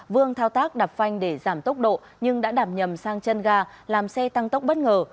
vương thao tác đập phanh để giảm tốc độ nhưng đã đạp nhầm sang chân ga làm xe tăng tốc bất ngờ